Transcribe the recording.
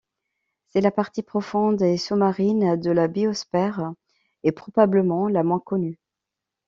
C'est la partie profonde et sous-marine de la biosphère et probablement la moins connue.